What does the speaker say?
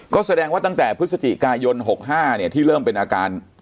ก็แสดงว่าตั้งแต่พฤศจิกายน๖๕ที่เริ่มเป็นอาการ